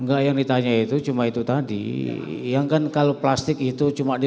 enggak yang ditanya itu cuma itu tadi yang kan kalau plastik itu cuma di